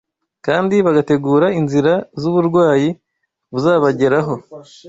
kandi bagategura inzira z’uburwayi buzabageraho.